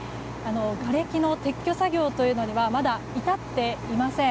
がれきの撤去作業にはまだ至っていません。